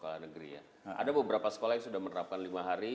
ada beberapa sekolah yang sudah menerapkan lima hari